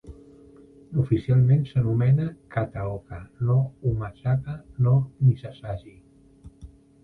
Oficialment s'anomena "Kataoka no Umasaka no misasagi".